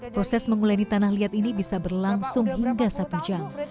proses menguleni tanah liat ini bisa berlangsung hingga satu jam